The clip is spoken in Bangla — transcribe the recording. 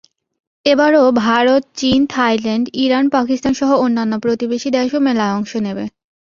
এবারও ভারত, চীন, থাইল্যান্ড, ইরান, পাকিস্তানসহ অন্যান্য প্রতিবেশী দেশও মেলায় অংশ নেবে।